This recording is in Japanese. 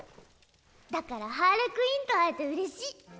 だからハーレクインと会えてうれしい。